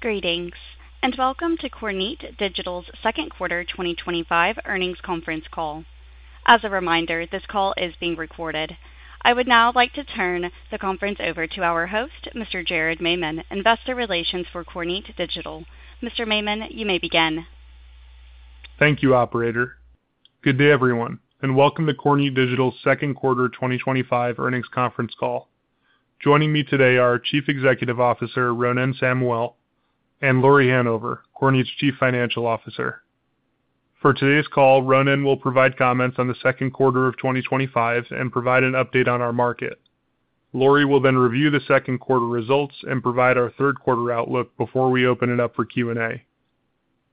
Greetings, and welcome to Kornit Digital's Second Quarter 2025 Earnings Conference Call. As a reminder, this call is being recorded. I would now like to turn the conference over to our host, Mr. Jared Maymon, Investor Relations for Kornit Digital. Mr. Maymon, you may begin. Thank you, operator. Good day, everyone, and welcome to Kornit Digital's Second Quarter 2025 Earnings Conference Call. Joining me today are our Chief Executive Officer, Ronen Samuel, and Lauri Hanover, Kornit's Chief Financial Officer. For today's call, Ronen will provide comments on the second quarter of 2025 and provide an update on our market. Lauri will then review the second quarter results and provide our third quarter outlook before we open it up for Q&A.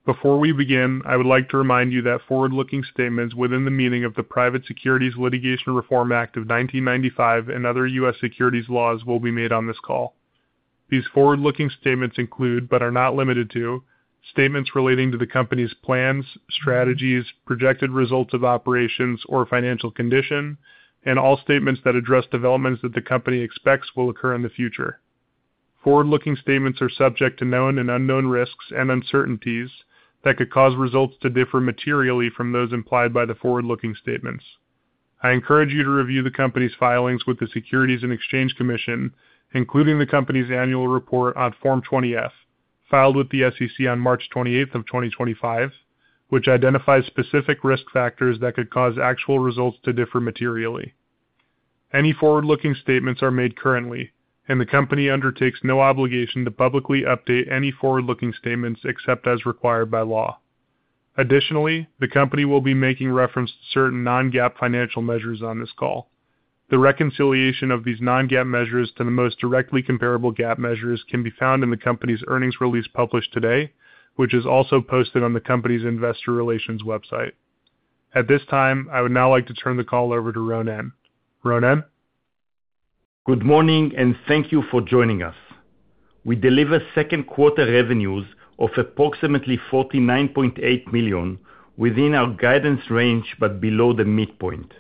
Before we begin, I would like to remind you that forward-looking statements within the meaning of the Private Securities Litigation Reform Act of 1995 and other U.S. securities laws will be made on this call. These forward-looking statements include, but are not limited to, statements relating to the company's plans, strategies, projected results of operations, or financial condition, and all statements that address developments that the company expects will occur in the future. Forward-looking statements are subject to known and unknown risks and uncertainties that could cause results to differ materially from those implied by the forward-looking statements. I encourage you to review the company's filings with the Securities and Exchange Commission, including the company's annual report on Form 20-F, filed with the SEC on March 28, 2025, which identifies specific risk factors that could cause actual results to differ materially. Any forward-looking statements are made currently, and the company undertakes no obligation to publicly update any forward-looking statements except as required by law. Additionally, the company will be making reference to certain non-GAAP financial measures on this call. The reconciliation of these non-GAAP measures to the most directly comparable GAAP measures can be found in the company's earnings release published today, which is also posted on the company's Investor Relations website. At this time, I would now like to turn the call over to Ronen. Ronen? Good morning and thank you for joining us. We delivered second quarter revenues of approximately $49.8 million within our guidance range but below the midpoint.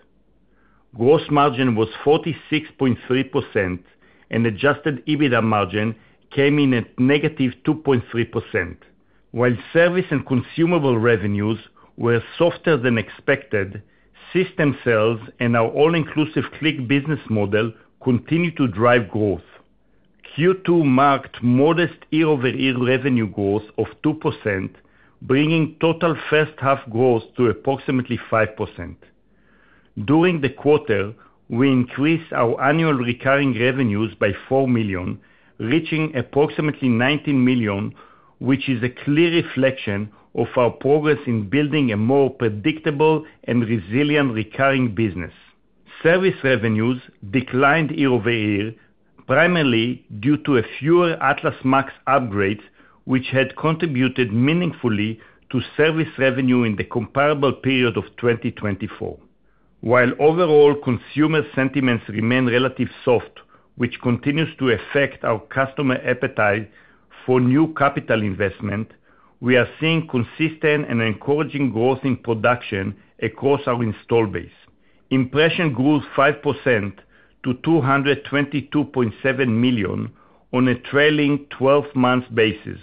Gross margin was 46.3% and adjusted EBITDA margin came in at -2.3%. While service and consumable revenues were softer than expected, system sales and our All-Inclusive Click business model continue to drive growth. Q2 marked modest year-over-year revenue growth of 2%, bringing total first half growth to approximately 5%. During the quarter, we increased our annual recurring revenue by $4 million, reaching approximately $19 million, which is a clear reflection of our progress in building a more predictable and resilient recurring business. Service revenues declined year-over-year primarily due to fewer Atlas MAX upgrades, which had contributed meaningfully to service revenue in the comparable period of 2024. While overall consumer sentiments remain relatively soft, which continues to affect our customer appetite for new capital investment, we are seeing consistent and encouraging growth in production across our install base. Impression grew 5% to $222.7 million on a trailing 12-month basis,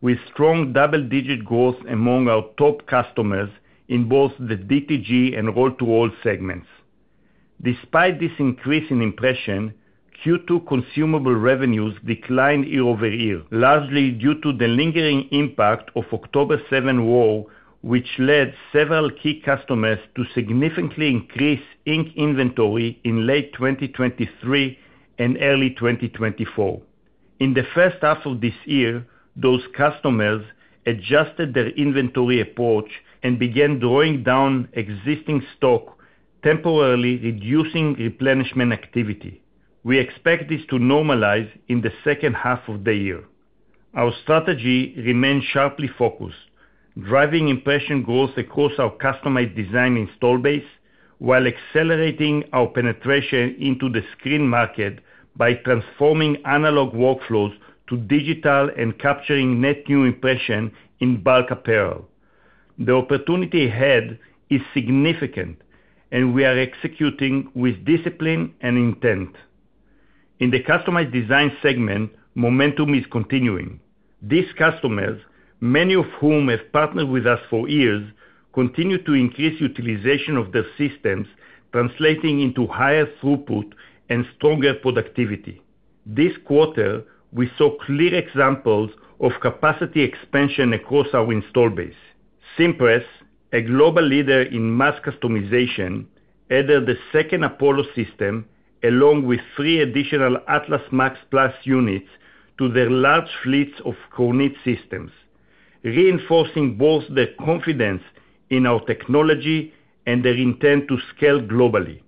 with strong double-digit growth among our top customers in both the DTG and roll-to-roll segments. Despite this increase in impression, Q2 consumable revenues declined year-over-year, largely due to the lingering impact of the October 7 war, which led several key customers to significantly increase inventory in late 2023 and early 2024. In the first half of this year, those customers adjusted their inventory approach and began drawing down existing stock, temporarily reducing replenishment activity. We expect this to normalize in the second half of the year. Our strategy remains sharply focused, driving impression growth across our customized design install base, while accelerating our penetration into the screen printing market by transforming analog workflows to digital and capturing net new impression in bulk apparel. The opportunity ahead is significant, and we are executing with discipline and intent. In the customized design segment, momentum is continuing. These customers, many of whom have partnered with us for years, continue to increase utilization of their systems, translating into higher throughput and stronger productivity. This quarter, we saw clear examples of capacity expansion across our install base. Cimpress, a global leader in mass customization, added the second Apollo system, along with three additional Atlas MAX Plus units, to their large fleets of Kornit systems, reinforcing both their confidence in our technology and their intent to scale globally.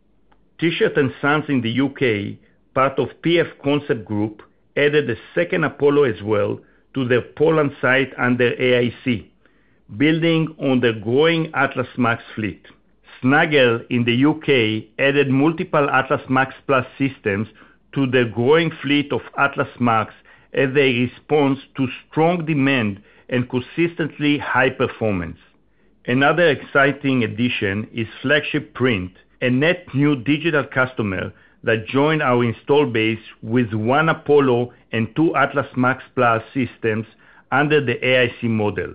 T-Shirt & Sons in the U.K., part of PF Concept Group, added the second Apollo as well to their Poland site under AIC, building on their growing Atlas MAX fleet. Snuggle, in the U.K., added multiple Atlas MAX Plus systems to their growing fleet of Atlas MAX as a response to strong demand and consistently high performance. Another exciting addition is Flagship Print, a net new digital customer that joined our install base with one Apollo and two Atlas MAX Plus systems under the AIC model.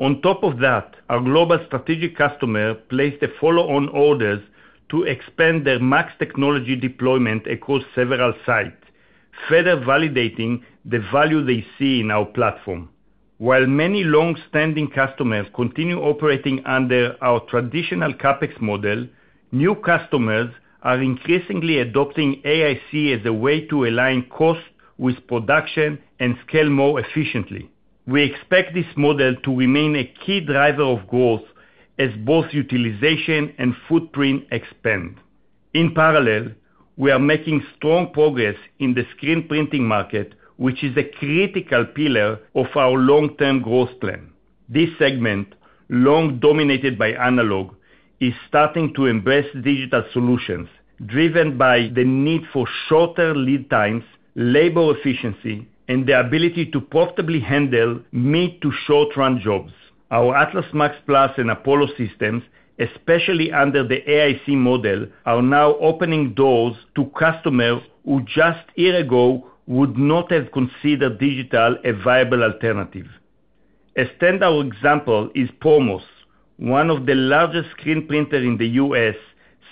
On top of that, our global strategic customer placed the follow-on orders to expand their MAX technology deployment across several sites, further validating the value they see in our platform. While many long-standing customers continue operating under our traditional CapEx model, new customers are increasingly adopting AIC as a way to align cost with production and scale more efficiently. We expect this model to remain a key driver of growth as both utilization and footprint expand. In parallel, we are making strong progress in the screen printing market, which is a critical pillar of our long-term growth plan. This segment, long dominated by analog, is starting to embrace digital solutions, driven by the need for shorter lead times, labor efficiency, and the ability to profitably handle mid-to-short-run jobs. Our Atlas MAX Plus and Apollo systems, especially under the AIC model, are now opening doors to customers who just a year ago would not have considered digital a viable alternative. A standout example is Promos, one of the largest screen printers in the U.S.,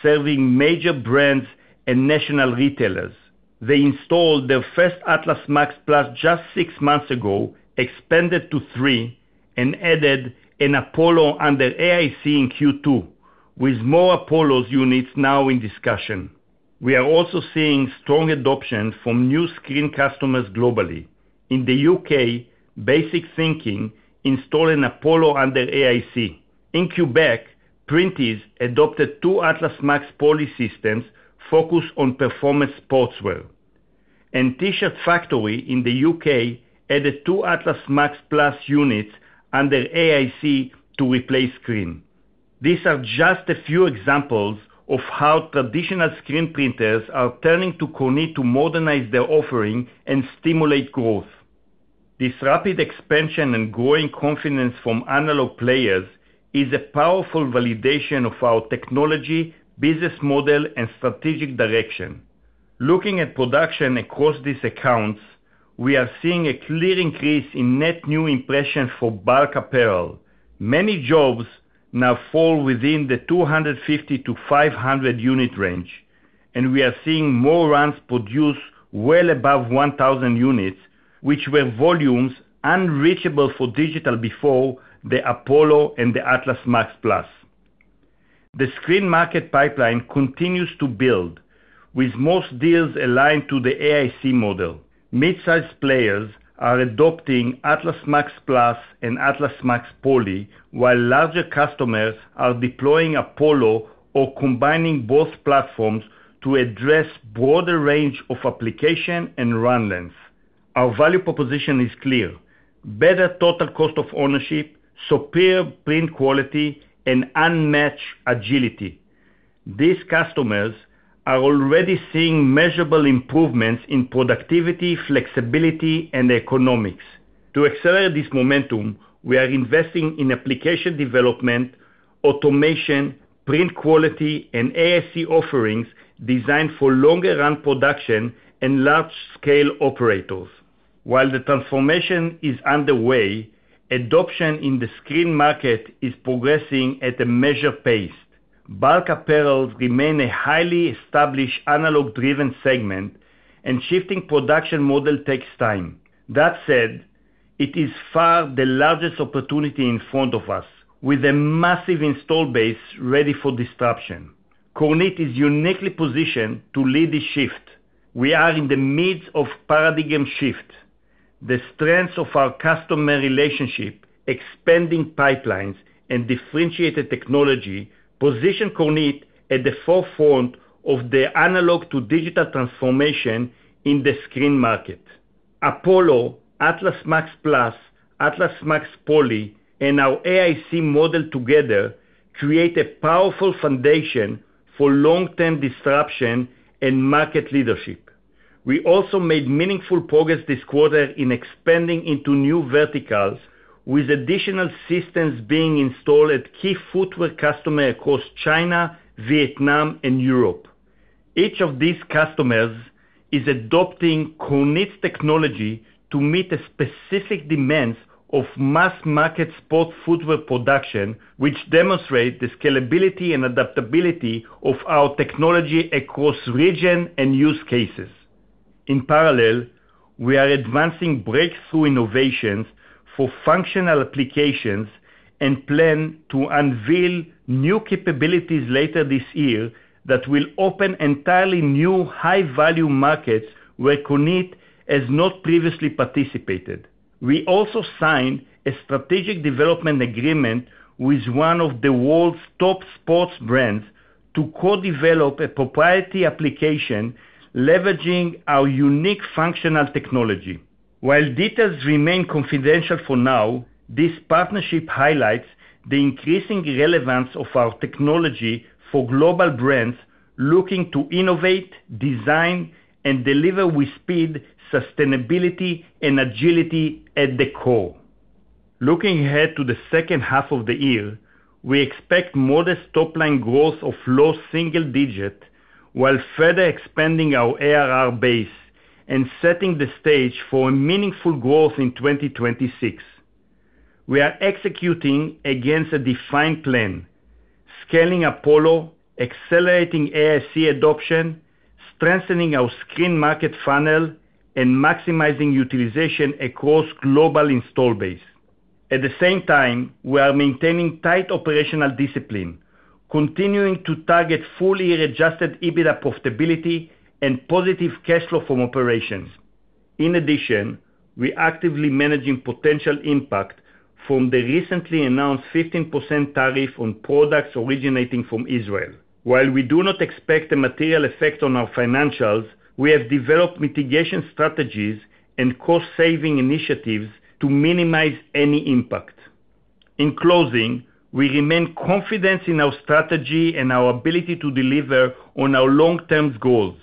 serving major brands and national retailers. They installed their first Atlas MAX Plus just six months ago, expanded to three, and added an Apollo under AIC in Q2, with more Apollo units now in discussion. We are also seeing strong adoption from new screen customers globally. In the U.K., Basic Thinking installed an Apollo under AIC. In Quebec, Printeez adopted two Atlas MAX Poly systems focused on performance sportswear. T-Shirt Factory in the U.K. added two Atlas MAX Plus units under AIC to replace screen. These are just a few examples of how traditional screen printers are turning to Kornit to modernize their offering and stimulate growth. This rapid expansion and growing confidence from analog players is a powerful validation of our technology, business model, and strategic direction. Looking at production across these accounts, we are seeing a clear increase in net new impressions for bulk apparel. Many jobs now fall within the 250-500 unit range, and we are seeing more runs produced well above 1,000 units, which were volumes unreachable for digital before the Apollo and the Atlas MAX Plus. The screen market pipeline continues to build, with most deals aligned to the AIC model. Mid-sized players are adopting Atlas MAX Plus and Atlas MAX Poly, while larger customers are deploying Apollo or combining both platforms to address a broader range of application and run length. Our value proposition is clear: better total cost of ownership, superior print quality, and unmatched agility. These customers are already seeing measurable improvements in productivity, flexibility, and economics. To accelerate this momentum, we are investing in application development, automation, print quality, and AIC offerings designed for longer-run production and large-scale operators. While the transformation is underway, adoption in the screen market is progressing at a measured pace. Bulk apparel remains a highly established analog-driven segment, and shifting production model takes time. That said, it is by far the largest opportunity in front of us, with a massive install base ready for disruption. Kornit is uniquely positioned to lead this shift. We are in the midst of a paradigm shift. The strengths of our customer relationships, expanding pipelines, and differentiated technology position Kornit at the forefront of the analog-to-digital transformation in the screen market. Apollo, Atlas MAX Plus, Atlas MAX Poly, and our AIC model together create a powerful foundation for long-term disruption and market leadership. We also made meaningful progress this quarter in expanding into new verticals, with additional systems being installed at key footwear customers across China, Vietnam, and Europe. Each of these customers is adopting Kornit's technology to meet the specific demands of mass-market sports footwear production, which demonstrates the scalability and adaptability of our technology across regions and use cases. In parallel, we are advancing breakthrough innovations for functional applications and plan to unveil new capabilities later this year that will open entirely new high-value markets where Kornit has not previously participated. We also signed a strategic development agreement with one of the world's top sports brands to co-develop a proprietary application leveraging our unique functional technology. While details remain confidential for now, this partnership highlights the increasing relevance of our technology for global brands looking to innovate, design, and deliver with speed, sustainability, and agility at the core. Looking ahead to the second half of the year, we expect modest top-line growth of low single digit while further expanding our ARR base and setting the stage for meaningful growth in 2026. We are executing against a defined plan: scaling Apollo, accelerating AIC adoption, strengthening our screen market funnel, and maximizing utilization across the global install base. At the same time, we are maintaining tight operational discipline, continuing to target full-year adjusted EBITDA profitability and positive cash flow from operations. In addition, we are actively managing potential impact from the recently announced 15% tariff on products originating from Israel. While we do not expect a material effect on our financials, we have developed mitigation strategies and cost-saving initiatives to minimize any impact. In closing, we remain confident in our strategy and our ability to deliver on our long-term goals.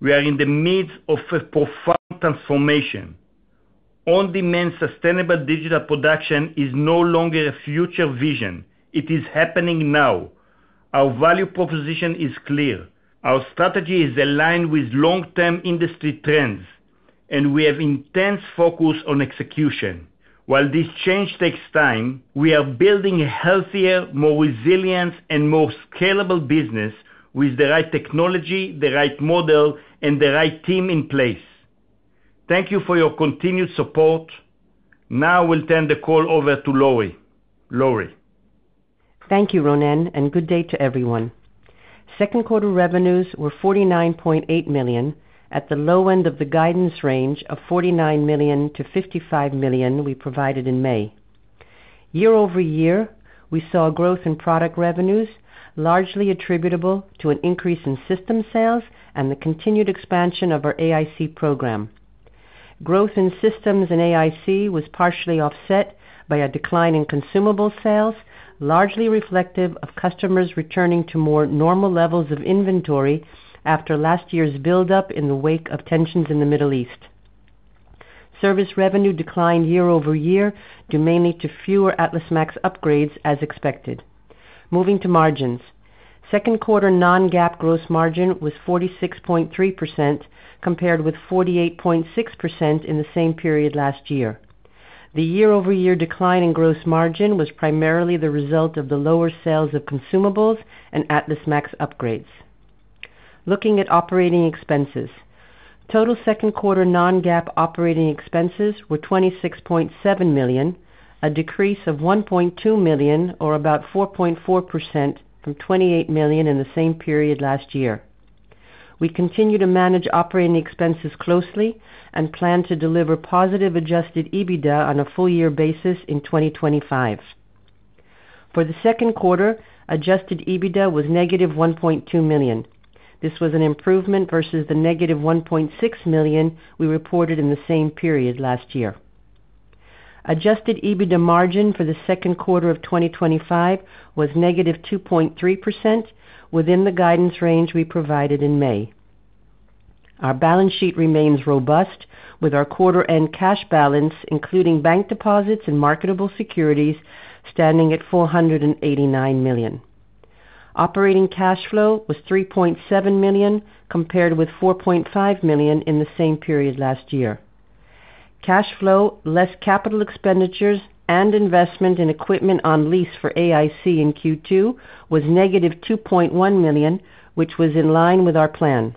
We are in the midst of a profound transformation. On-demand sustainable digital production is no longer a future vision; it is happening now. Our value proposition is clear. Our strategy is aligned with long-term industry trends, and we have intense focus on execution. While this change takes time, we are building a healthier, more resilient, and more scalable business with the right technology, the right model, and the right team in place. Thank you for your continued support. Now, we'll turn the call over to Lauri. Lauri. Thank you, Ronen, and good day to everyone. Second quarter revenues were $49.8 million, at the low end of the guidance range of $49 million-$55 million we provided in May. Year-over-year, we saw growth in product revenues, largely attributable to an increase in system sales and the continued expansion of our AIC program. Growth in systems and AIC was partially offset by a decline in consumable sales, largely reflective of customers returning to more normal levels of inventory after last year's buildup in the wake of tensions in the Middle East. Service revenue declined year-over-year due mainly to fewer Atlas MAX upgrades as expected. Moving to margins, second quarter non-GAAP gross margin was 46.3% compared with 48.6% in the same period last year. The year-over-year decline in gross margin was primarily the result of the lower sales of consumables and Atlas MAX upgrades. Looking at operating expenses, total second quarter non-GAAP operating expenses were $26.7 million, a decrease of $1.2 million or about 4.4% from $28 million in the same period last year. We continue to manage operating expenses closely and plan to deliver positive adjusted EBITDA on a full-year basis in 2025. For the second quarter, adjusted EBITDA was -$1.2 million. This was an improvement versus the -$1.6 million we reported in the same period last year. Adjusted EBITDA margin for the second quarter of 2025 was -2.3% within the guidance range we provided in May. Our balance sheet remains robust, with our quarter-end cash balance, including bank deposits and marketable securities, standing at $489 million. Operating cash flow was $3.7 million, compared with $4.5 million in the same period last year. Cash flow, less capital expenditures, and investment in equipment on lease for AIC in Q2 was -$2.1 million, which was in line with our plan.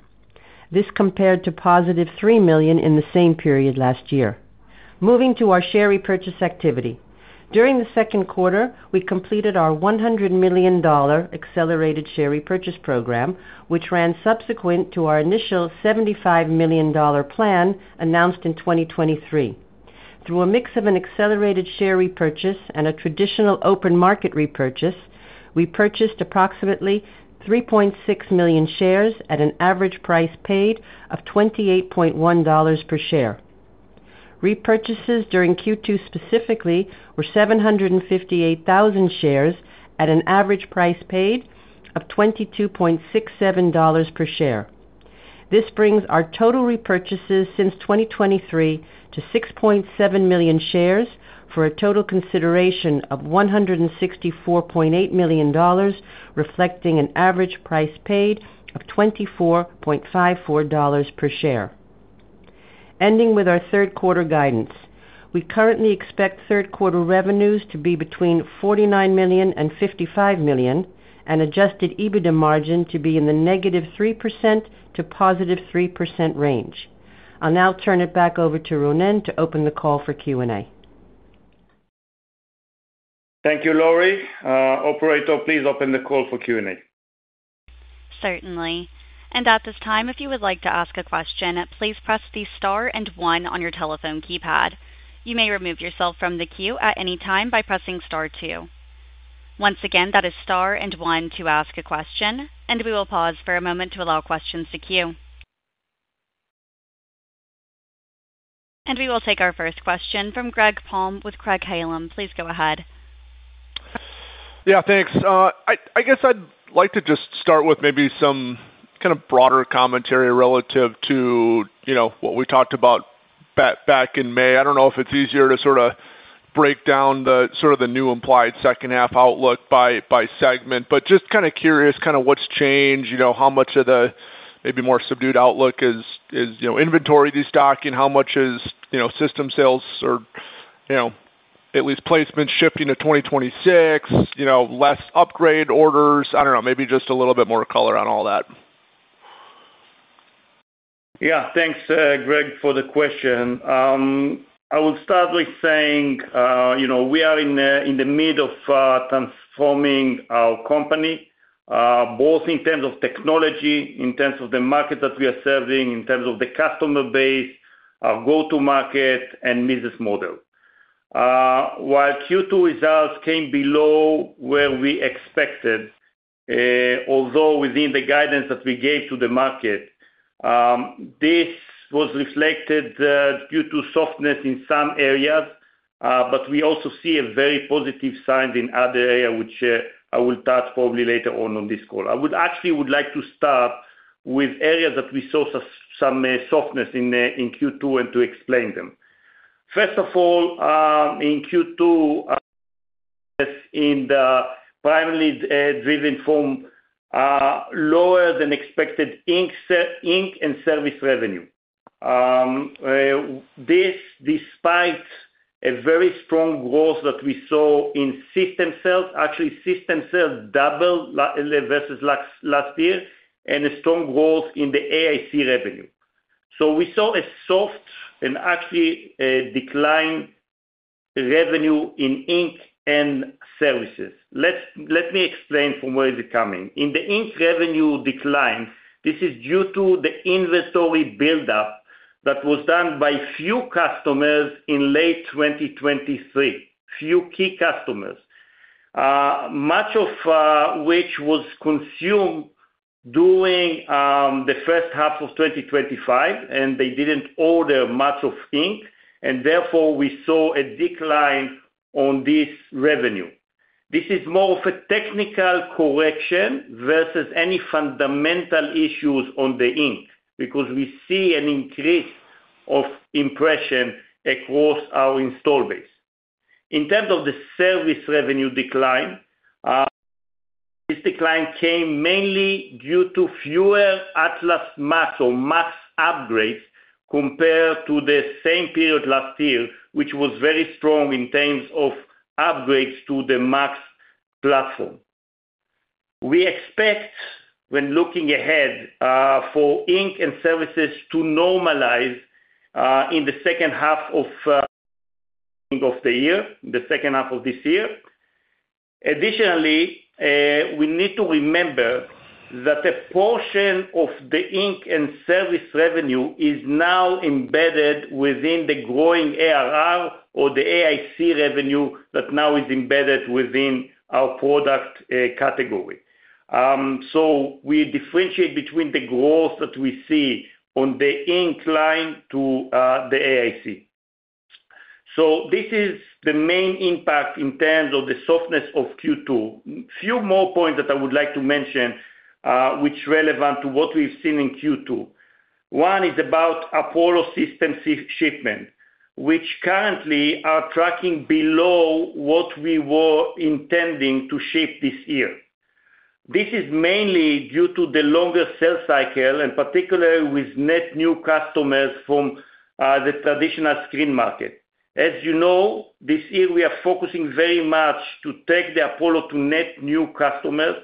This compared to +$3 million in the same period last year. Moving to our share repurchase activity. During the second quarter, we completed our $100 million accelerated share repurchase program, which ran subsequent to our initial $75 million plan announced in 2023. Through a mix of an accelerated share repurchase and a traditional open market repurchase, we purchased approximately 3.6 million shares at an average price paid of $28.10 per share. Repurchases during Q2 specifically were 758,000 shares at an average price paid of $22.67 per share. This brings our total repurchases since 2023 to 6.7 million shares for a total consideration of $164.8 million, reflecting an average price paid of $24.54 per share. Ending with our third quarter guidance. We currently expect third quarter revenues to be between $49 million and $55 million, and adjusted EBITDA margin to be in the -3% to +3% range. I'll now turn it back over to Ronen to open the call for Q&A. Thank you, Lauri. Operator, please open the call for Q&A. Certainly. At this time, if you would like to ask a question, please press the star and one on your telephone keypad. You may remove yourself from the queue at any time by pressing star two. Once again, that is star and one to ask a question. We will pause for a moment to allow questions to queue. We will take our first question from Greg Palm with Craig-Hallum. Please go ahead. Yeah, thanks. I guess I'd like to just start with maybe some kind of broader commentary relative to what we talked about back in May. I don't know if it's easier to break down the new implied second half outlook by segment, but just kind of curious what's changed, how much of the maybe more subdued outlook is inventory restocking, how much is system sales or at least placements shifting to 2026, less upgrade orders. Maybe just a little bit more color on all that. Yeah, thanks, Greg, for the question. I will start by saying, you know, we are in the midst of transforming our company, both in terms of technology, in terms of the market that we are serving, in terms of the customer base, our go-to-market, and business model. While Q2 results came below where we expected, although within the guidance that we gave to the market, this was reflected due to softness in some areas, but we also see a very positive sign in other areas, which I will touch probably later on on this call. I would actually like to start with areas that we saw some softness in Q2 and to explain them. First of all, in Q2, this was primarily driven from lower-than-expected ink and service revenue. This despite a very strong growth that we saw in system sales, actually system sales doubled versus last year, and a strong growth in the AIC revenue. We saw a soft and actually declined revenue in ink and services. Let me explain from where it's coming. In the ink revenue decline, this is due to the inventory buildup that was done by a few customers in late 2023, a few key customers, much of which was consumed during the first half of 2025, and they didn't order much of ink, and therefore we saw a decline on this revenue. This is more of a technical correction versus any fundamental issues on the ink because we see an increase of impression across our install base. In terms of the service revenue decline, this decline came mainly due to fewer Atlas MAX or MAX upgrades compared to the same period last year, which was very strong in terms of upgrades to the MAX platform. We expect, when looking ahead, for ink and services to normalize in the second half of the year, the second half of this year. Additionally, we need to remember that a portion of the ink and service revenue is now embedded within the growing ARR or the AIC revenue that now is embedded within our product category. We differentiate between the growth that we see on the ink line to the AIC. This is the main impact in terms of the softness of Q2. A few more points that I would like to mention, which are relevant to what we've seen in Q2. One is about Apollo systems shipment, which currently are tracking below what we were intending to ship this year. This is mainly due to the longer sales cycle, and particularly with net new customers from the traditional screen market. As you know, this year we are focusing very much to take the Apollo to net new customers.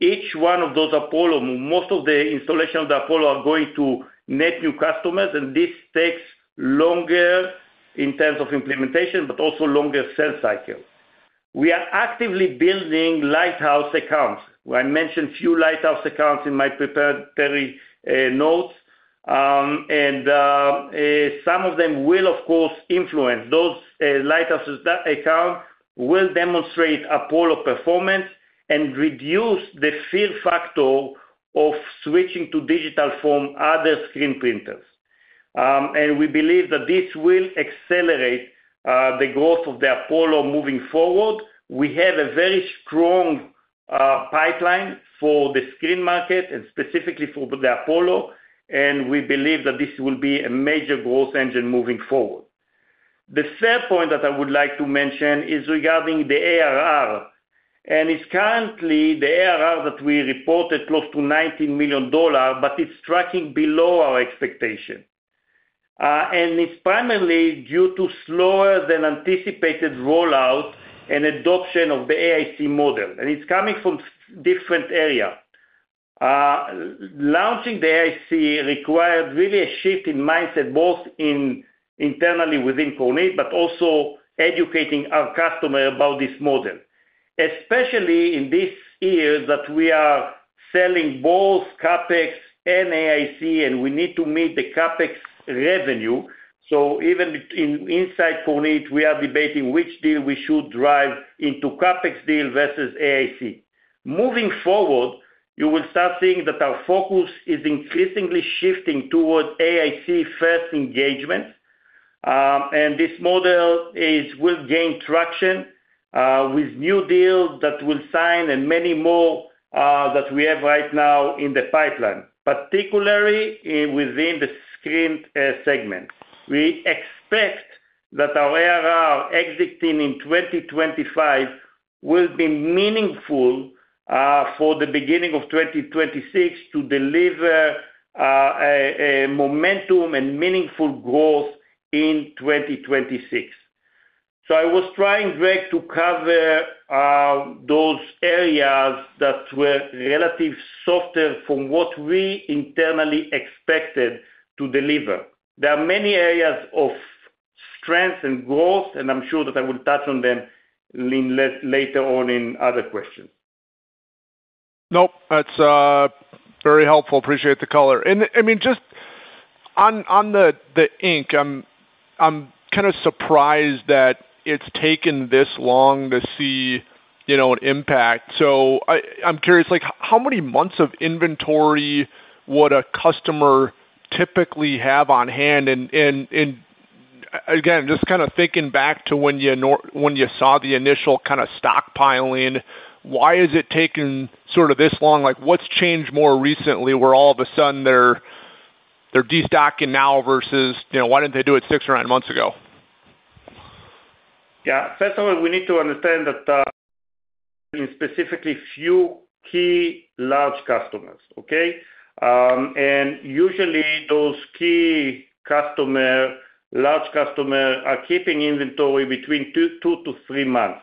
Each one of those Apollo, most of the installation of the Apollo are going to net new customers, and this takes longer in terms of implementation, but also longer sales cycle. We are actively building lighthouse accounts. I mentioned a few lighthouse accounts in my preparatory notes, and some of them will, of course, influence those. Lighthouse accounts will demonstrate Apollo performance and reduce the fear factor of switching to digital from other screen printers. We believe that this will accelerate the growth of the Apollo moving forward. We have a very strong pipeline for the screen market and specifically for the Apollo, and we believe that this will be a major growth engine moving forward. The third point that I would like to mention is regarding the ARR, and it's currently the ARR that we reported close to $19 million, but it's tracking below our expectation. It's primarily due to slower-than-anticipated rollout and adoption of the AIC model, and it's coming from different areas. Launching the AIC required really a shift in mindset both internally within Kornit, but also educating our customer about this model. Especially in this year that we are selling both CapEx and AIC, and we need to meet the CapEx revenue. Even inside Kornit, we are debating which deal we should drive into CapEx deal versus AIC. Moving forward, you will start seeing that our focus is increasingly shifting toward AIC first engagement, and this model will gain traction with new deals that we'll sign and many more that we have right now in the pipeline, particularly within the screen segment. We expect that our ARR exiting in 2025 will be meaningful for the beginning of 2026 to deliver momentum and meaningful growth in 2026. I was trying, Greg, to cover those areas that were relative softer from what we internally expected to deliver. There are many areas of strength and growth, and I'm sure that I will touch on them later on in other questions. That's very helpful. Appreciate the color. I mean, just on the ink, I'm kind of surprised that it's taken this long to see an impact. I'm curious, like how many months of inventory would a customer typically have on hand? Again, just kind of thinking back to when you saw the initial kind of stockpiling, why has it taken this long? What's changed more recently where all of a sudden they're destocking now versus why didn't they do it six or nine months ago? First of all, we need to understand that we need specifically a few key large customers, okay? Usually those key customers, large customers are keeping inventory between two to three months.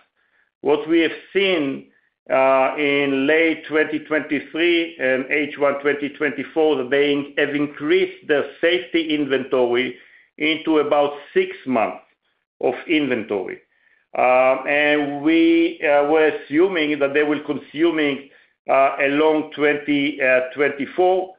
What we have seen in late 2023 and H1 2024, they have increased their safety inventory into about six months of inventory. We were assuming that they were consuming along 2024,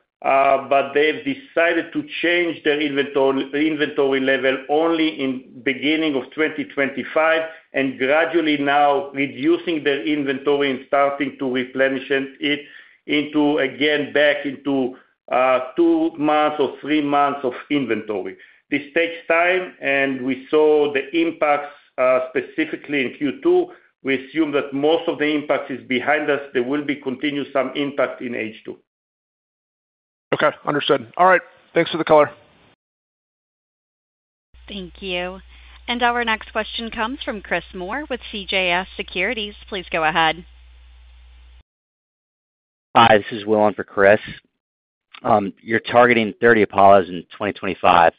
but they've decided to change their inventory level only in the beginning of 2025 and gradually now reducing their inventory and starting to replenish it again back into two months or three months of inventory. This takes time, and we saw the impacts specifically in Q2. We assume that most of the impacts are behind us. There will be continued impact in H2. Okay, understood. All right, thanks for the color. Thank you. Our next question comes from Chris Moore with CJS Securities. Please go ahead. Hi, this is Will on for Chris. You're targeting 30 Apollos in 2025.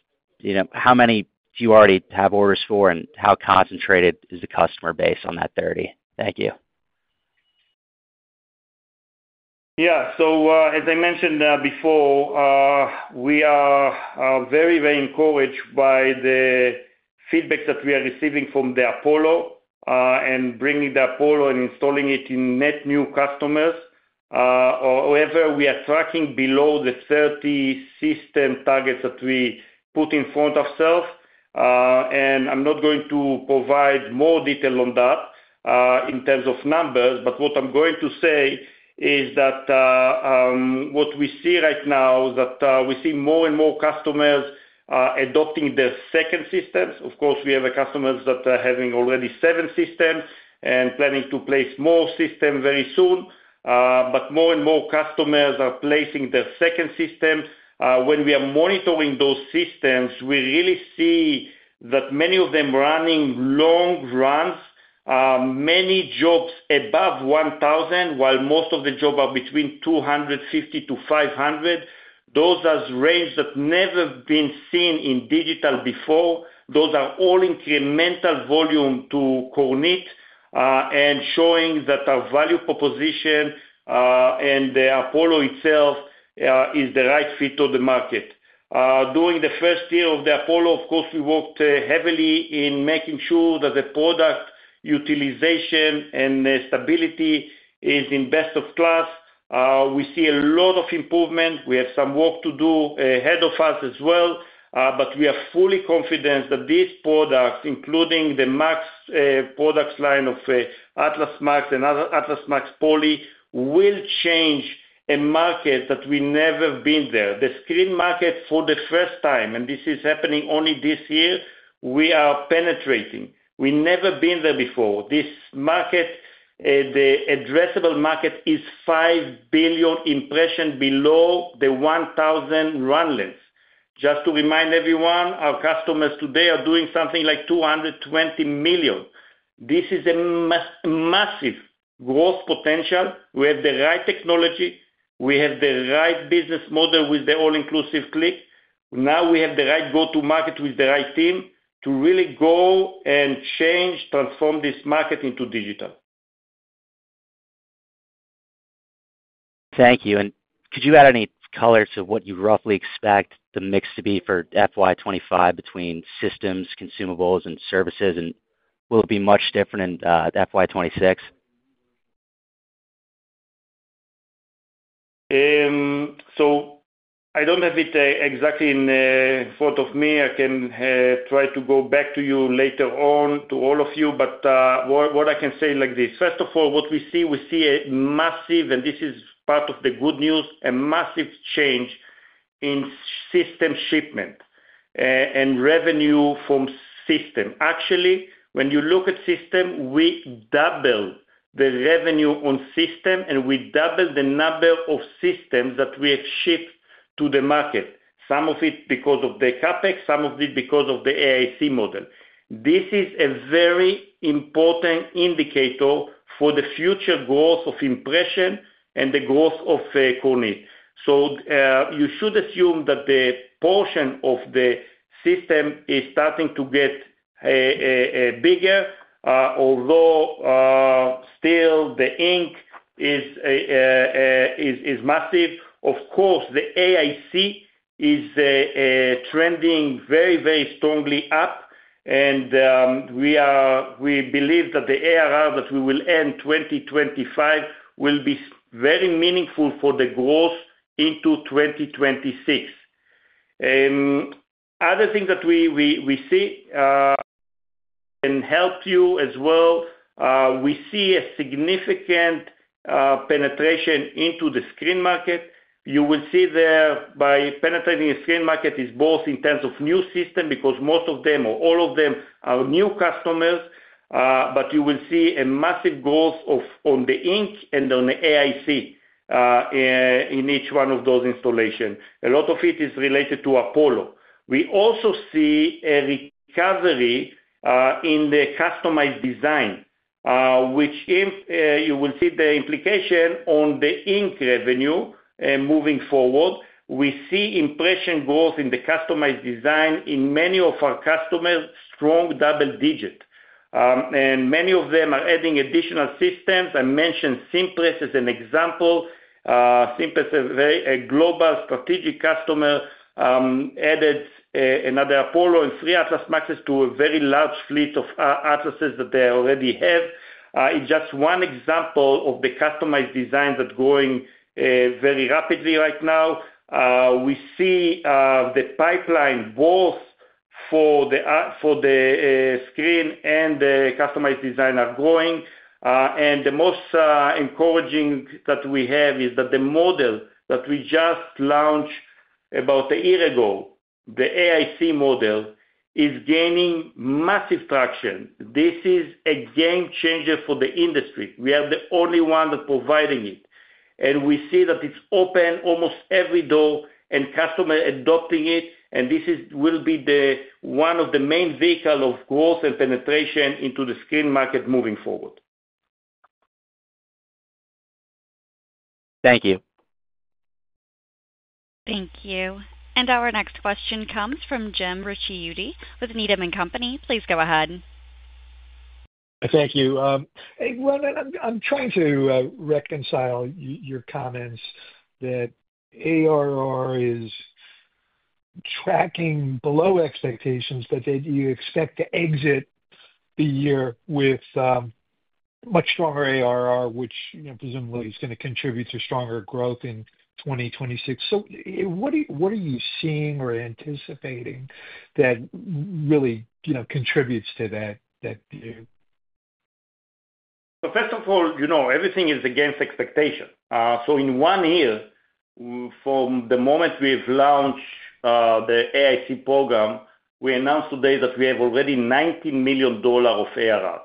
How many do you already have orders for, and how concentrated is the customer base on that 30? Thank you. Yeah, as I mentioned before, we are very, very encouraged by the feedback that we are receiving from the Apollo, and bringing the Apollo and installing it in net new customers. However, we are tracking below the 30 system targets that we put in front of ourselves. I'm not going to provide more detail on that in terms of numbers, but what I'm going to say is that what we see right now is that we see more and more customers adopting their second systems. Of course, we have customers that are having already seven systems and planning to place more systems very soon, but more and more customers are placing their second systems. When we are monitoring those systems, we really see that many of them are running long runs, many jobs above 1,000, while most of the jobs are between 250-500. Those are rates that have never been seen in digital before. Those are all incremental volumes to Kornit, and showing that our value proposition, and the Apollo itself, is the right fit for the market. During the first year of the Apollo, of course, we worked heavily in making sure that the product utilization and stability are in best of class. We see a lot of improvement. We have some work to do ahead of us as well, but we are fully confident that this product, including the Max product line of Atlas MAX and other Atlas MAX Poly, will change a market that we've never been there. The screen market, for the first time, and this is happening only this year, we are penetrating. We've never been there before. This market, the addressable market is 5 billion impressions below the 1,000 run lengths. Just to remind everyone, our customers today are doing something like 220 million. This is a massive growth potential. We have the right technology. We have the right business model with the All-Inclusive Click. Now we have the right go-to-market with the right team to really go and change, transform this market into digital. Thank you. Could you add any color to what you roughly expect the mix to be for FY 2025 between systems, consumables, and services? Will it be much different in FY 2026? I don't have it exactly in front of me. I can try to go back to you later on to all of you, but what I can say is like this. First of all, what we see, we see a massive, and this is part of the good news, a massive change in system shipment and revenue from system. Actually, when you look at system, we doubled the revenue on system and we doubled the number of systems that we have shipped to the market. Some of it because of the CapEx, some of it because of the AIC model. This is a very important indicator for the future growth of impression and the growth of Kornit. You should assume that the portion of the system is starting to get bigger, although still the ink is massive. Of course, the AIC is trending very, very strongly up, and we believe that the ARR that we will earn in 2025 will be very meaningful for the growth into 2026. Other things that we see, and help you as well, we see a significant penetration into the screen market. You will see there by penetrating the screen market is both in terms of new systems because most of them or all of them are new customers, but you will see a massive growth on the ink and on the AIC in each one of those installations. A lot of it is related to Apollo. We also see a recovery in the customized design, which you will see the implication on the ink revenue moving forward. We see impression growth in the customized design in many of our customers, strong double digits, and many of them are adding additional systems. I mentioned Cimpress as an example. Cimpress is a global strategic customer, added another Apollo and three Atlas MAX to a very large fleet of Atlases that they already have. It's just one example of the customized design that's growing very rapidly right now. We see the pipeline both for the screen and the customized design are growing, and the most encouraging that we have is that the model that we just launched about a year ago, the AIC model, is gaining massive traction. This is a game-changer for the industry. We are the only one that's providing it, and we see that it's open almost every door and customers adopting it, and this will be one of the main vehicles of growth and penetration into the screen market moving forward. Thank you. Thank you. Our next question comes from Jim Ricchiuti with Needham & Company. Please go ahead. Thank you. I'm trying to reconcile your comments that ARR is tracking below expectations, but that you expect to exit the year with much stronger ARR, which presumably is going to contribute to stronger growth in 2026. What are you seeing or anticipating that really contributes to that? First of all, you know everything is against expectation. In one year, from the moment we've launched the AIC program, we announced today that we have already $19 million of ARR,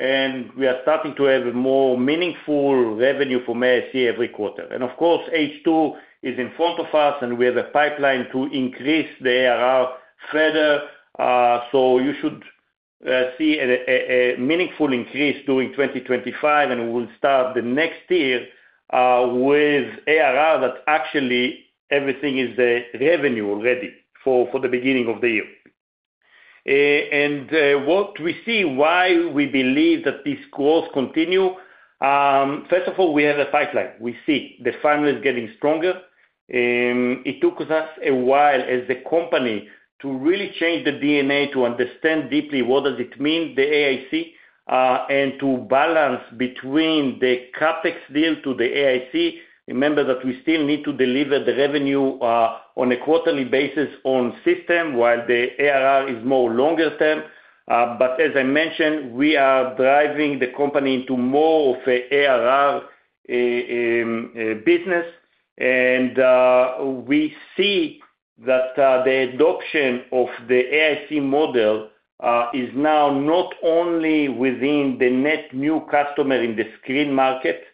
and we are starting to have a more meaningful revenue from AIC every quarter. H2 is in front of us, and we have a pipeline to increase the ARR further. You should see a meaningful increase during 2025, and we will start the next year with ARR that actually everything is revenue already for the beginning of the year. What we see, why we believe that this growth continues, first of all, we have a pipeline. We see the funnel is getting stronger. It took us a while as a company to really change the DNA to understand deeply what does it mean, the AIC, and to balance between the CapEx deal to the AIC. Remember that we still need to deliver the revenue on a quarterly basis on system while the ARR is more longer-term. As I mentioned, we are driving the company into more of an ARR business, and we see that the adoption of the AIC model is now not only within the net new customer in the screen printing market,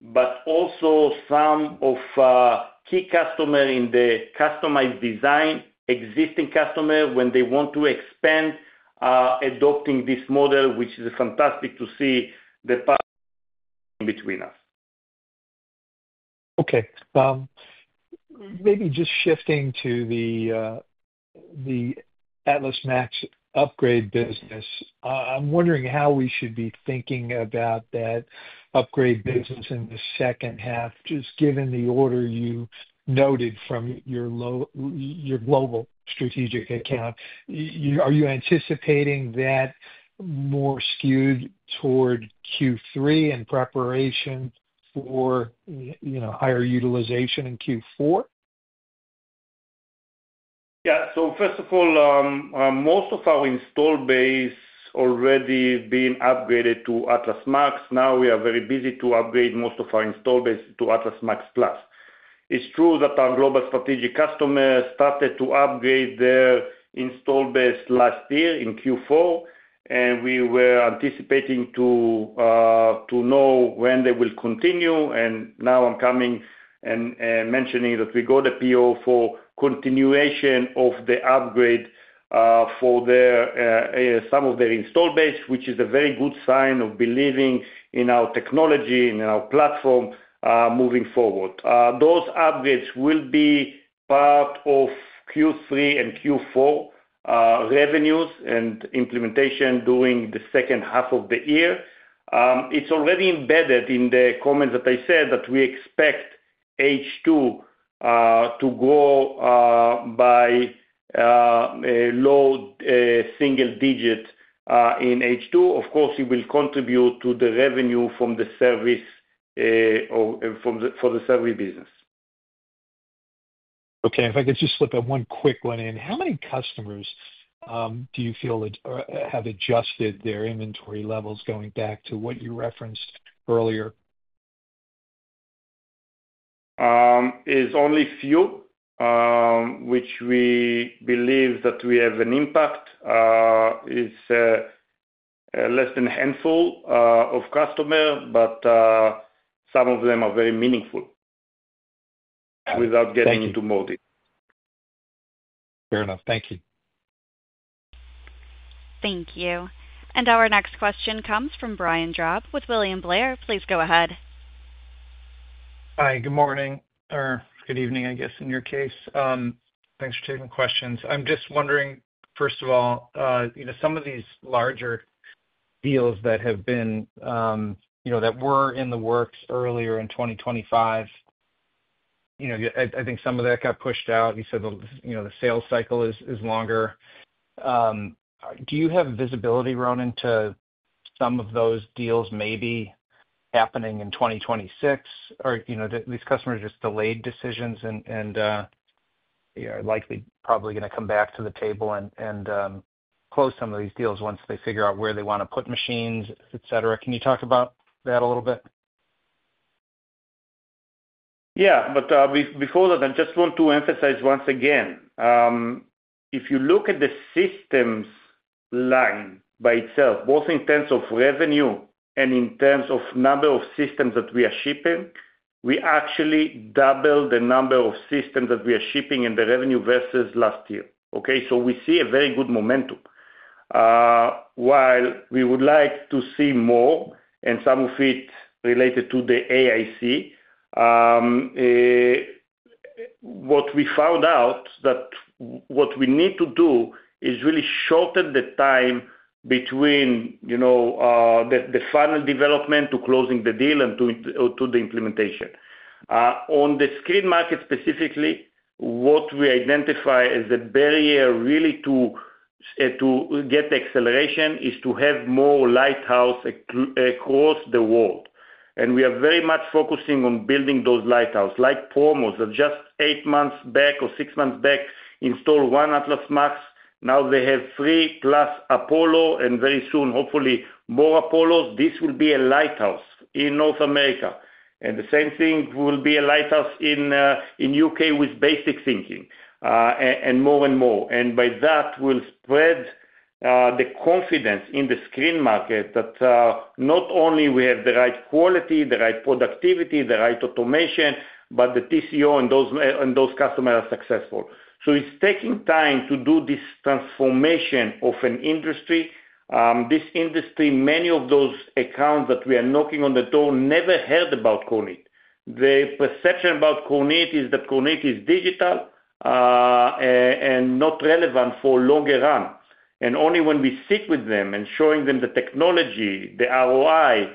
but also some of the key customers in the customized design, existing customers when they want to expand, adopting this model, which is fantastic to see the path between us. Okay. Maybe just shifting to the Atlas MAX upgrade business, I'm wondering how we should be thinking about that upgrade business in the second half, just given the order you noted from your global strategic account. Are you anticipating that more skewed toward Q3 in preparation for, you know, higher utilization in Q4? Yeah. First of all, most of our install base has already been upgraded to Atlas MAX. Now we are very busy to upgrade most of our install base to Atlas MAX Plus. It's true that our global strategic customers started to upgrade their install base last year in Q4, and we were anticipating to know when they will continue. Now I'm coming and mentioning that we got a PO for continuation of the upgrade for some of their install base, which is a very good sign of believing in our technology and our platform moving forward. Those upgrades will be part of Q3 and Q4 revenues and implementation during the second half of the year. It's already embedded in the comments that I said that we expect H2 to grow by a low single digit in H2. Of course, it will contribute to the revenue from the service, or for the service business. Okay. If I could just slip up one quick one in, how many customers do you feel that have adjusted their inventory levels going back to what you referenced earlier? It's only a few, which we believe that we have an impact. It's less than a handful of customers, but some of them are very meaningful without getting into more detail. Fair enough. Thank you. Thank you. Our next question comes from Brian Drab with William Blair. Please go ahead. Hi. Good morning, or good evening, I guess, in your case. Thanks for taking questions. I'm just wondering, first of all, you know, some of these larger deals that were in the works earlier in 2025, I think some of that got pushed out. You said the sales cycle is longer. Do you have visibility, Ronen, to some of those deals maybe happening in 2026, or these customers just delayed decisions and are likely probably going to come back to the table and close some of these deals once they figure out where they want to put machines, etc. Can you talk about that a little bit? Before that, I just want to emphasize once again, if you look at the systems line by itself, both in terms of revenue and in terms of the number of systems that we are shipping, we actually doubled the number of systems that we are shipping in the revenue versus last year. We see a very good momentum. While we would like to see more, and some of it is related to the AIC, what we found out is that what we need to do is really shorten the time between the final development to closing the deal and to the implementation. On the screen market specifically, what we identify as a barrier to get the acceleration is to have more Lighthouse across the world. We are very much focusing on building those lighthouses, like Promos, that just eight months back or six months back installed one Atlas MAX. Now they have 3+ Apollo, and very soon, hopefully, more Apollos. This will be a lighthouse in North America. The same thing will be a lighthouse in the U.K. with Basic Thinking, and more and more. By that, we'll spread the confidence in the screen market that not only we have the right quality, the right productivity, the right automation, but the TCO and those customers are successful. It's taking time to do this transformation of an industry. This industry, many of those accounts that we are knocking on the door never heard about Kornit. The perception about Kornit is that Kornit is digital, and not relevant for a longer run. Only when we sit with them and show them the technology, the ROI,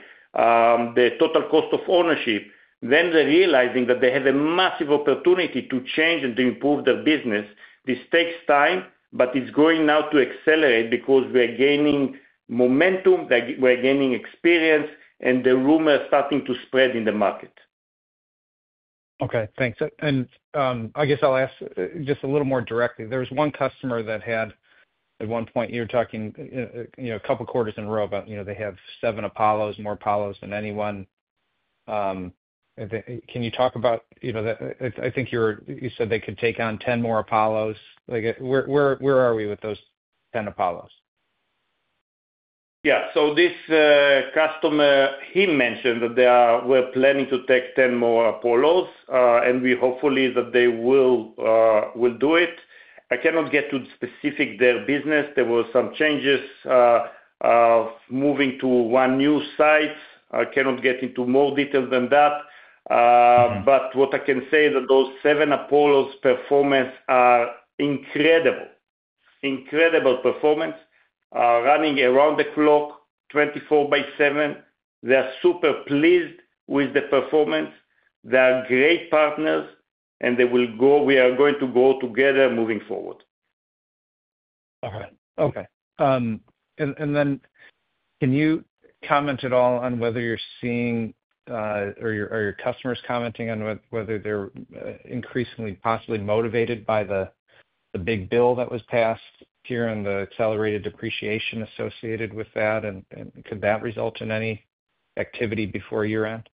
the total cost of ownership, then they're realizing that they have a massive opportunity to change and to improve their business. This takes time, but it's going now to accelerate because we're gaining momentum, we're gaining experience, and the rumor is starting to spread in the market. Okay, thanks. I guess I'll ask just a little more directly. There was one customer that had, at one point, you were talking a couple of quarters in a row about, you know, they have seven Apollos, more Apollos than anyone. Can you talk about, you know, I think you said they could take on 10 more Apollos. Where are we with those 10 Apollos? Yeah, so this customer, he mentioned that they were planning to take 10 more Apollos, and we hopefully that they will do it. I cannot get to specific their business. There were some changes, moving to one new site. I cannot get into more detail than that. What I can say is that those seven Apollos' performance is incredible, incredible performance, running around the clock, 24 by 7. They are super pleased with the performance. They are great partners, and they will go, we are going to go together moving forward. All right. Okay. Can you comment at all on whether you're seeing, or your customers commenting on whether they're increasingly possibly motivated by the big bill that was passed here and the accelerated depreciation associated with that? Could that result in any activity before year-end?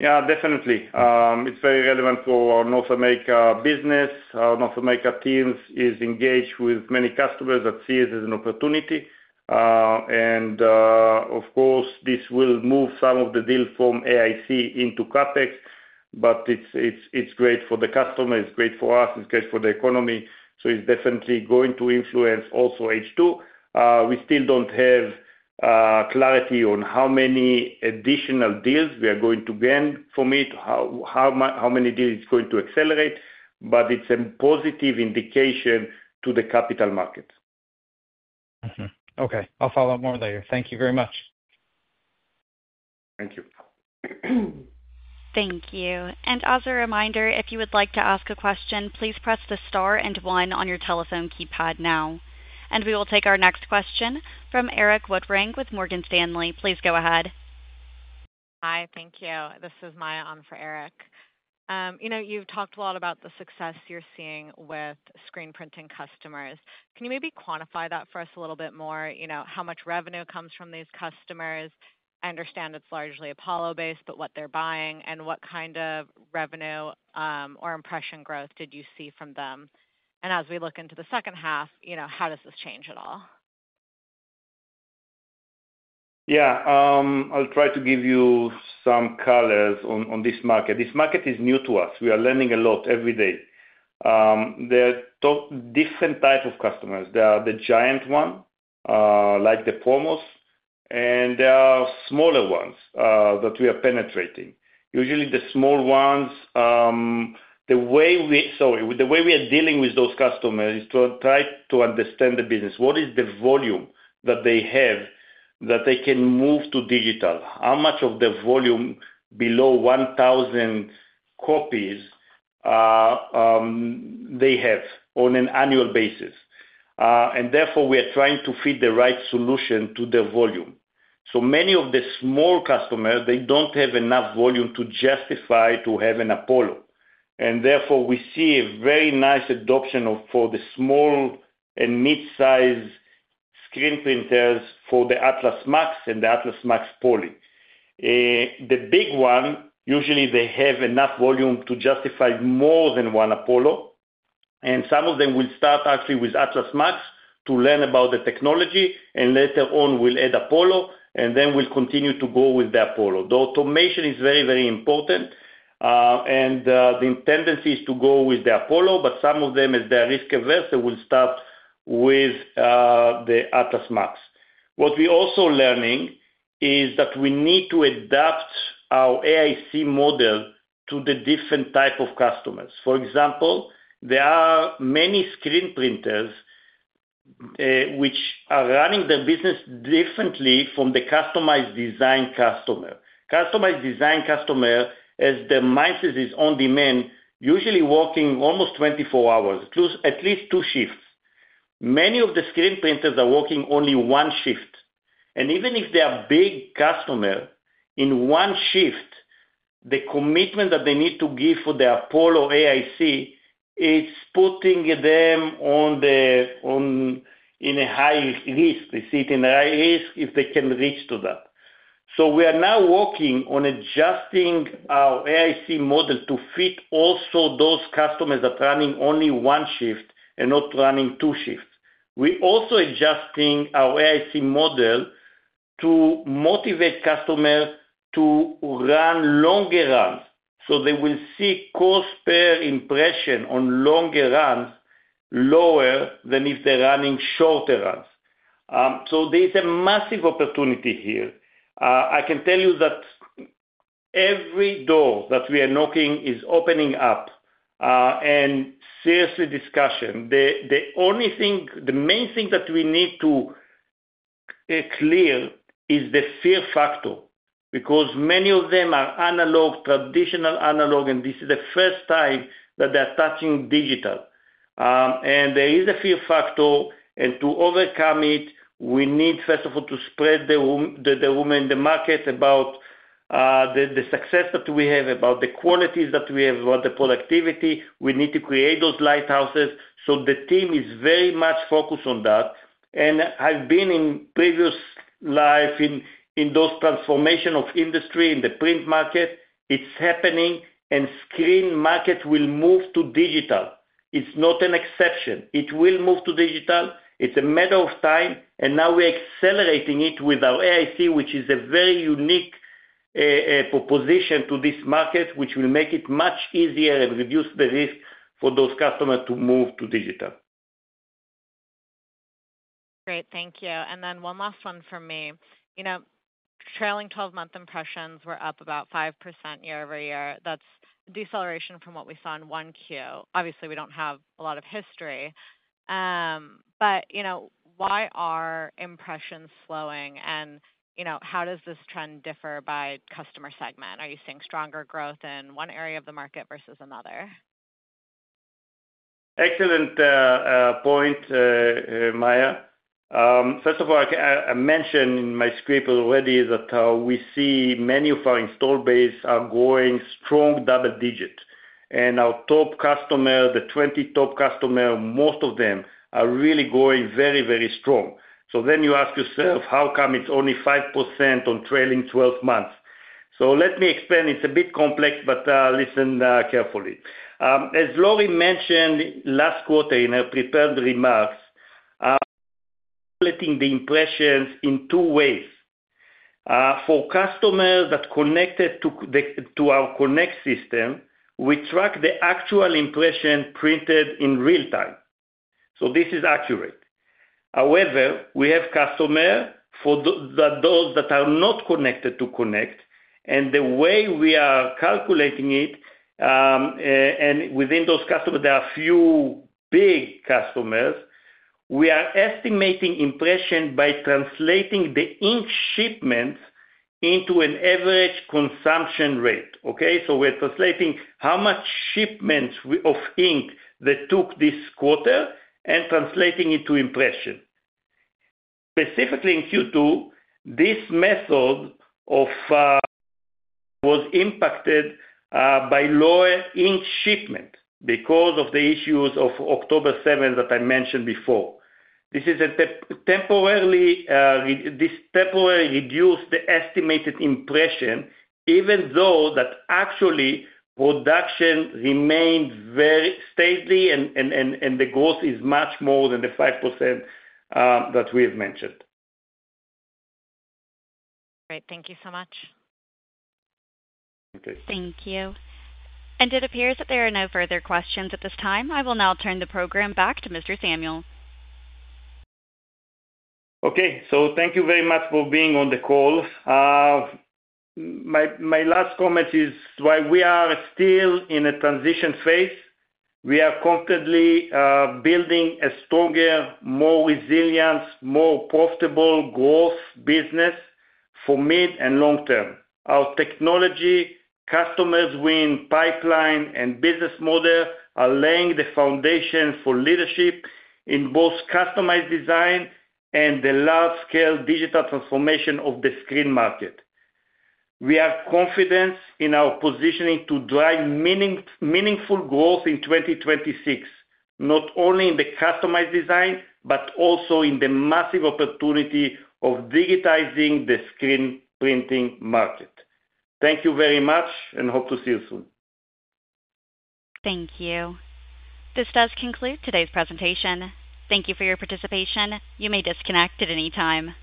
Yeah, definitely. It's very relevant for North America business. North America teams are engaged with many customers that see it as an opportunity. Of course, this will move some of the deals from AIC into CapEx, but it's great for the customer, it's great for us, it's great for the economy. It's definitely going to influence also H2. We still don't have clarity on how many additional deals we are going to gain from it, how many deals it's going to accelerate, but it's a positive indication to the capital market. Okay, I'll follow up more later. Thank you very much. Thank you. Thank you. As a reminder, if you would like to ask a question, please press the star and one on your telephone keypad now. We will take our next question from Erik Woodring with Morgan Stanley. Please go ahead. Hi, thank you. This is Maya on for Erik. You know, you've talked a lot about the success you're seeing with screen printing customers. Can you maybe quantify that for us a little bit more? You know, how much revenue comes from these customers? I understand it's largely Apollo-based, but what they're buying and what kind of revenue or impression growth did you see from them? As we look into the second half, you know, how does this change at all? Yeah, I'll try to give you some colors on this market. This market is new to us. We are learning a lot every day. There are different types of customers. There are the giant ones, like the Promos, and there are smaller ones that we are penetrating. Usually, the small ones, the way we are dealing with those customers is to try to understand the business. What is the volume that they have that they can move to digital? How much of the volume below 1,000 copies they have on an annual basis? Therefore, we are trying to fit the right solution to the volume. Many of the small customers don't have enough volume to justify to have an Apollo. Therefore, we see a very nice adoption for the small and mid-sized screen printers for the Atlas MAX and the Atlas MAX Poly. The big one, usually, they have enough volume to justify more than one Apollo. Some of them will start actually with Atlas MAX to learn about the technology, and later on, we'll add Apollo, and then we'll continue to go with the Apollo. The automation is very, very important. The tendency is to go with the Apollo, but some of them, as they are risk-averse, will start with the Atlas MAX. What we're also learning is that we need to adapt our AIC model to the different types of customers. For example, there are many screen printers which are running their business differently from the customized design customer. Customized design customer, as their mindset is on demand, usually working almost 24 hours, at least two shifts. Many of the screen printers are working only one shift. Even if they are big customers, in one shift, the commitment that they need to give for their Apollo AIC is putting them in a high risk. They see it in a high risk if they can reach to that. We are now working on adjusting our AIC model to fit also those customers that are running only one shift and not running two shifts. We're also adjusting our AIC model to motivate customers to run longer runs. They will see cost per impression on longer runs lower than if they're running shorter runs. There's a massive opportunity here. I can tell you that every door that we are knocking is opening up and seriously discussing. The only thing, the main thing that we need to clear is the fear factor because many of them are analog, traditional analog, and this is the first time that they're touching digital. There is a fear factor, and to overcome it, we need, first of all, to spread the rumor in the market about the success that we have, about the qualities that we have, about the productivity. We need to create those lighthouses. The team is very much focused on that. I've been in previous lives in those transformations of industry in the print market. It's happening, and screen markets will move to digital. It's not an exception. It will move to digital. It's a matter of time. Now we're accelerating it with our AIC, which is a very unique proposition to this market, which will make it much easier and reduce the risk for those customers to move to digital. Great, thank you. One last one from me. Trailing 12-month impressions were up about 5% year-over-year. That's a deceleration from what we saw in 1Q. Obviously, we don't have a lot of history. Why are impressions slowing? How does this trend differ by customer segment? Are you seeing stronger growth in one area of the market versus another? Excellent point, Maya. First of all, I mentioned in my script already that we see many of our install bases are growing strong double digits. Our top customers, the 20 top customers, most of them are really growing very, very strong. You ask yourself, how come it's only 5% on trailing 12 months? Let me explain. It's a bit complex, but listen carefully. As Lauri mentioned last quarter in her prepared remarks, we're collecting the impressions in two ways. For customers that are connected to our Connect system, we track the actual impression printed in real time. This is accurate. However, we have customers for those that are not connected to Connect, and the way we are calculating it, and within those customers, there are a few big customers, we are estimating impression by translating the ink shipments into an average consumption rate. We're translating how much shipments of ink that took this quarter and translating it to impression. Specifically in Q2, this method was impacted by lower ink shipment because of the issues of October 7 that I mentioned before. This temporarily reduced the estimated impression, even though actually production remained very steady, and the growth is much more than the 5% that we've mentioned. Great. Thank you so much. Okay. Thank you. It appears that there are no further questions at this time. I will now turn the program back to Mr. Samuel. Okay, so thank you very much for being on the call. My last comment is why we are still in a transition phase. We are constantly building a stronger, more resilient, more profitable growth business for mid and long term. Our technology, customers' win, pipeline, and business model are laying the foundation for leadership in both customized design and the large-scale digital transformation of the screen market. We are confident in our positioning to drive meaningful growth in 2026, not only in the customized design, but also in the massive opportunity of digitizing the screen printing market. Thank you very much, and hope to see you soon. Thank you. This does conclude today's presentation. Thank you for your participation. You may disconnect at any time.